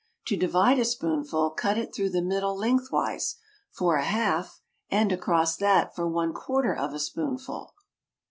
To divide a spoonful, cut it through the middle lengthwise, for a half; and across that, for one quarter of a spoonful.